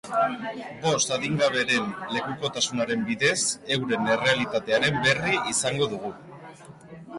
Bost adingaberen lekukotasunen bidez, euren errealitatearen berri izango dugu.